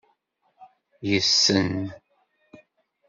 Yessen.